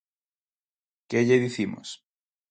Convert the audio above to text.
¿Que lle dicimos?